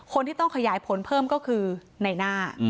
คนที่ต้องขยายผลเพิ่มก็คือในหน้า